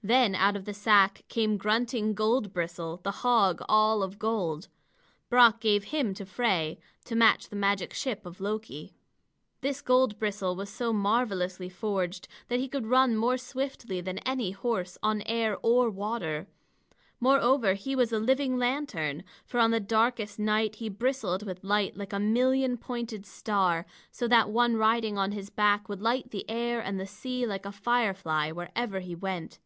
Then out of the sack came grunting Goldbristle, the hog, all of gold. Brock gave him to Frey, to match the magic ship of Loki. This Goldbristle was so marvelously forged that he could run more swiftly than any horse, on air or water. Moreover, he was a living lantern. For on the darkest night he bristled with light like a million pointed star, so that one riding on his back would light the air and the sea like a firefly, wherever he went.